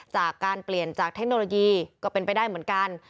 จากการเปลี่ยนจากเทคโนโลยีก็เป็นไปได้เหมือนกัน